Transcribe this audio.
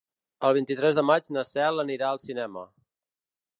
El vint-i-tres de maig na Cel anirà al cinema.